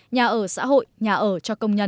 nhà ở xã hội nhà ở cho công nhân